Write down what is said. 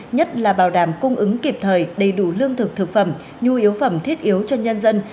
nhất là bảo đảm cung ứng kịp thời đầy đủ lương thực thực phẩm nhu yếu phẩm thiết yếu cho nhân dân